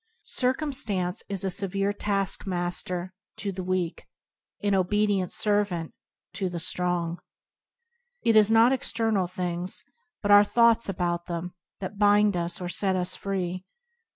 Circumstance is a severe taskmaster to the weak, an obedient servant to the strong. It is not external things, but our thoughts about them, that bind us or set us free.